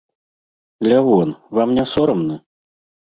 Лявон, вам не сорамна?